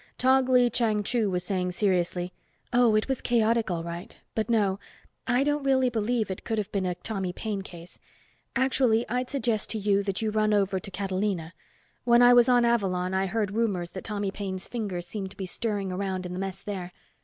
Tog Lee Chang Chu was saying seriously, "Oh, it was chaotic all right, but no, I don't really believe it could have been a Tommy Paine case. Actually I'd suggest to you that you run over to Catalina. When I was on Avalon I heard rumors that Tommy Paine's finger seemed to be stirring around in the mess there.